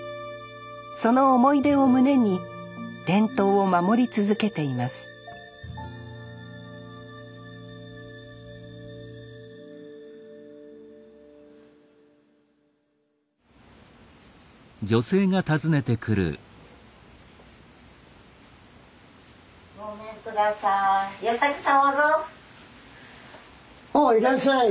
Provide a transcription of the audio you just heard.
その思い出を胸に伝統を守り続けていますごめんください。